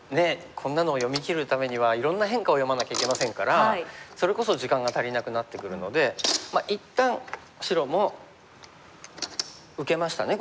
こんなのを読みきるためにはいろんな変化を読まなきゃいけませんからそれこそ時間が足りなくなってくるので一旦白も受けましたね